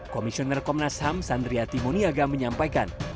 komisioner komnas ham sandriati muniaga menyampaikan